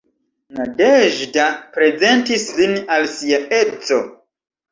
Nadeĵda prezentis lin al sia edzo.